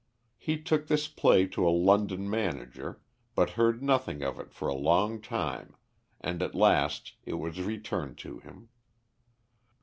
He took this play to a London manager, but heard nothing of it for a long time, and at last it was returned to him.